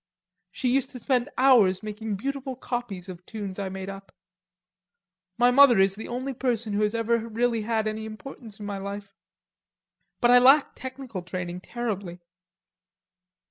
She used to spend hours making beautiful copies of tunes I made up. My mother is the only person who has ever really had any importance in my life.... But I lack technical training terribly."